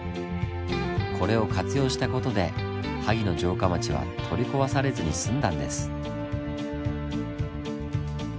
これを活用した事で萩の城下町は取り壊されずに済んだんです。